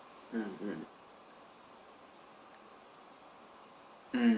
うんうん。